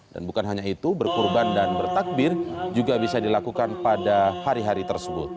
dan bukan hanya itu berkurban dan bertakbir juga bisa dilakukan pada hari hari tersebut